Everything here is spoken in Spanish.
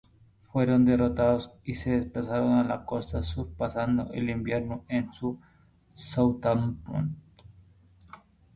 Fueron derrotados y se desplazaron a la costa sur pasando el invierno en Southampton.